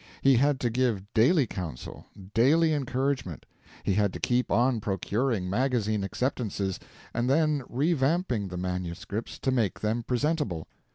He had to give daily counsel, daily encouragement; he had to keep on procuring magazine acceptances, and then revamping the manuscripts to make them presentable.